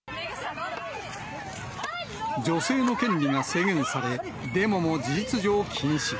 女性の権利が制限され、デモも事実上禁止。